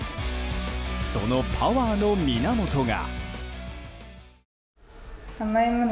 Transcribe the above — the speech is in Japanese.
そのパワーの源が。